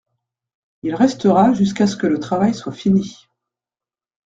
Il restera jusqu’à ce que le travail soit fini.